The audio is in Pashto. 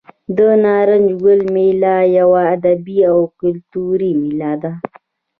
د نارنج ګل میله یوه ادبي او کلتوري میله ده.